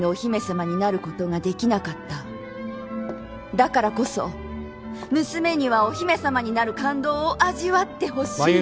だからこそ娘にはお姫さまになる感動を味わってほしい真弓姫のお母さま。